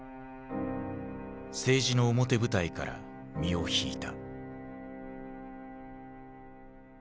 政治の表舞台から身を引いた。